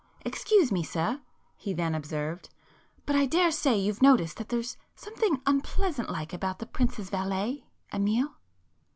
"Excuse me sir,"—he then observed—"but I daresay you've noticed that there's something unpleasant like about the prince's valet, Amiel?"